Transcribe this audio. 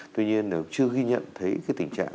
tuy nhiên là chưa ghi nhận thấy cái tình trạng